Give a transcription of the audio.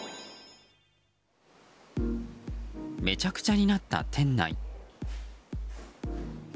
めちゃくちゃになった店内。